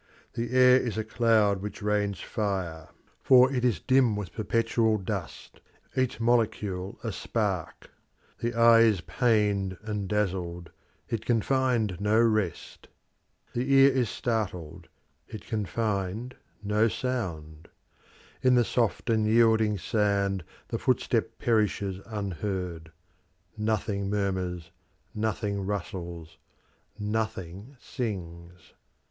The air is a cloud which rains fire, for it is dim with perpetual dust each molecule a spark. The eye is pained and dazzled; it can find no rest. The ear is startled; it can find no sound. In the soft and yielding sand the footstep perishes unheard; nothing murmurs, nothing rustles, nothing sings.